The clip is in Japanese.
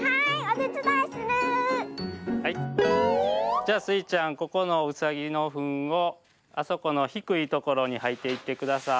じゃあスイちゃんここのうさぎのふんをあそこのひくいところにはいていってください。